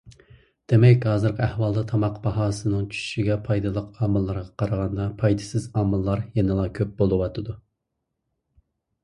دېمەك، ھازىرقى ئەھۋالدا تاماق باھاسىنىڭ چۈشۈشىگە پايدىلىق ئامىللارغا قارىغاندا پايدىسىز ئامىللار يەنىلا كۆپ بولۇۋاتىدۇ.